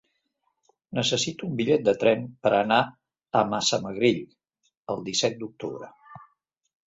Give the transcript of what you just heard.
Necessito un bitllet de tren per anar a Massamagrell el disset d'octubre.